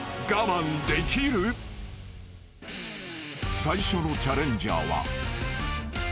［最初のチャレンジャーは］